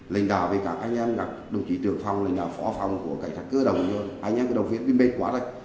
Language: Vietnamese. lãnh đạo về cả các anh em đồng chí trưởng phòng lãnh đạo phó phòng của cảnh sát cơ đồng anh em đồng viên mình mệt quá đấy